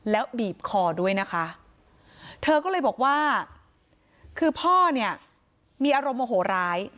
แล้วบีบคอด้วยนะคะเธอก็เลยบอกว่าคือพ่อเนี่ยมีอารมณ์โมโหร้าย